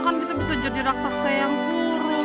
kan kita bisa jadi raksasa yang buruk